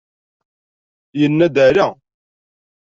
Yenna-d: ala!